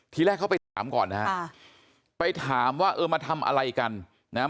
ทีแรกเขาไปถามก่อนนะฮะไปถามว่าเออมาทำอะไรกันนะฮะ